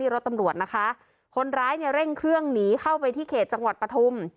รถตำรวจนะคะคนร้ายเนี่ยเร่งเครื่องหนีเข้าไปที่เขตจังหวัดปฐุม